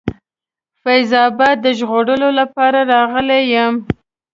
فیض آباد د ژغورلو لپاره راغلی یم.